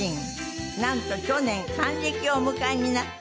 なんと去年還暦をお迎えになった。